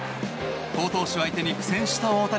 好投手相手に苦戦した大谷。